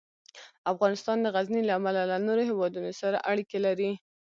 افغانستان د غزني له امله له نورو هېوادونو سره اړیکې لري.